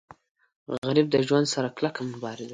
غریب د ژوند سره کلکه مبارزه کوي